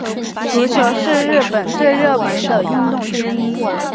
足球是日本最热门的运动之一。